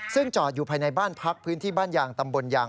ซึ่งจอดอยู่ภายในบ้านพักพื้นที่บ้านยางตำบลยาง